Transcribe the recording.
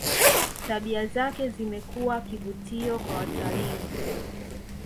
tabia zake zimekuwa kivutio kwa watalii